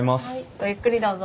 ごゆっくりどうぞ。